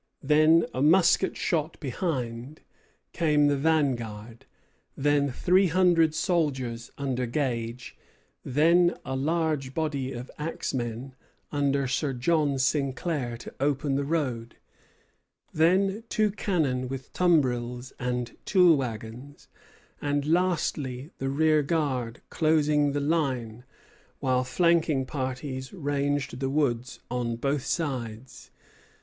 Then, a musket shot behind, came the vanguard; then three hundred soldiers under Gage; then a large body of axemen, under Sir John Sinclair, to open the road; then two cannon with tumbrils and tool wagons; and lastly the rear guard, closing the line, while flanking parties ranged the woods on both sides.